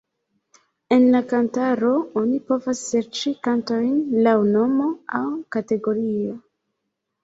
En la kantaro oni povas serĉi kantojn laŭ nomo aŭ kategorio.